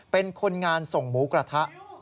เป็นคนงานส่งหมูกระทะ